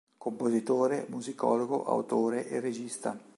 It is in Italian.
Compositore, musicologo, autore e regista.